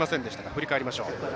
振り返りましょう。